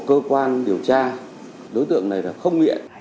cơ quan điều tra đã phát hiện bắt giữ đối tượng tại nhà riêng ở thái bình